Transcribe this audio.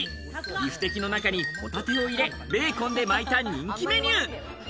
ビフテキの中にホタテを入れ、ベーコンで巻いた人気メニュー。